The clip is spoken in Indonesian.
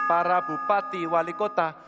para bupati wali kota